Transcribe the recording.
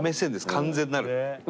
完全なる。